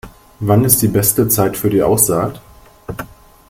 Wann ist die beste Zeit für die Aussaat?